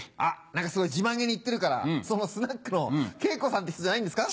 すごい自慢げに言ってるからそのスナックのケイコさんって人じゃないんですか？